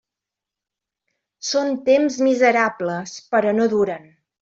Són temps miserables, però no duren.